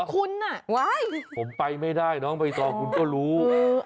คุณน่ะว้ายผมไปไม่ได้น้องบริษัทคุณก็รู้